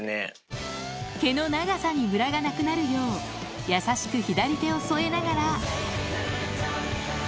毛の長さにむらがなくなるよう、優しく左手を添えながら。